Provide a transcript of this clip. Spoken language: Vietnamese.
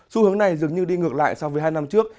xu hướng này dường như đi ngược lại so với hai năm trước